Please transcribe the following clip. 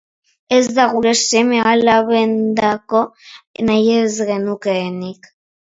Ez da gure seme-alabendako nahi ez genukeenik.